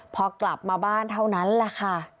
พอกลับมาบ้านเท่านั้นแหละค่ะ